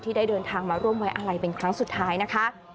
ได้เดินทางมาร่วมไว้อะไรเป็นครั้งสุดท้ายนะคะ